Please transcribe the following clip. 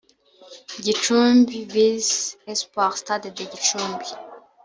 Gicumbi vs Espoir (Stade de Gicumbi)